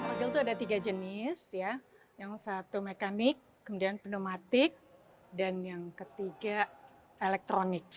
model itu ada tiga jenis ya yang satu mekanik kemudian pneumatik dan yang ketiga elektronik